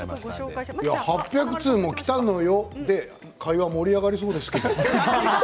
８００通もきたのよで会話が盛り上がりそうですけど。